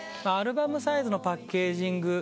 アルバムサイズのパッケージング。